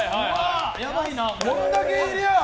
こんだけいりゃあ。